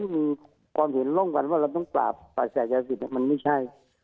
มีความเห็นร่วมกันว่าเราต้องปราบปราศัยยาสิทธิมันไม่ใช่